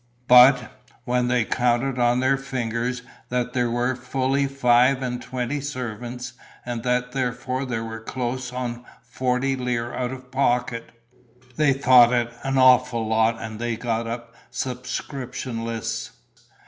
But, when they counted on their fingers that there were fully five and twenty servants and that therefore they were close on forty lire out of pocket, they thought it an awful lot and they got up subscription lists.